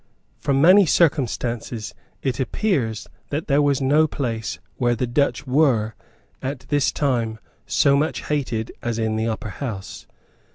From many circumstances it appears that there was no place where the Dutch were, at this time, so much hated as in the Upper House.